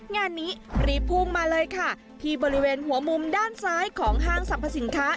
งานนี้รีบพุ่งมาเลยค่ะที่บริเวณหัวมุมด้านซ้ายของห้างสรรพสินค้า